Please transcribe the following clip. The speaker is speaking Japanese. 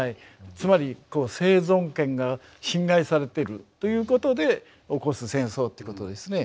つまり生存権が侵害されているということで起こす戦争っていうことですね。